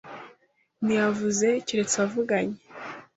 Ntiyavuze keretse avuganye.